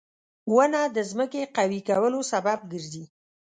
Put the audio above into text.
• ونه د ځمکې قوي کولو سبب ګرځي.